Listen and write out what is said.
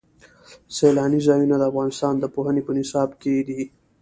سیلاني ځایونه د افغانستان د پوهنې په نصاب کې دي.